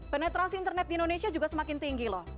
penetrasi internet di indonesia juga semakin tinggi loh